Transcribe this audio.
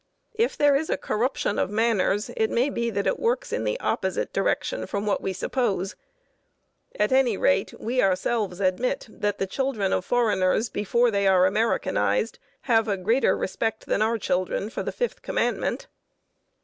If there is a corruption of manners, it may be that it works in the opposite direction from what we suppose. At any rate, we ourselves admit that the children of foreigners, before they are Americanized, have a greater respect than our children for the Fifth Commandment.